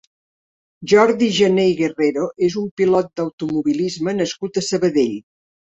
Jordi Gené i Guerrero és un pilot d'automobilisme nascut a Sabadell.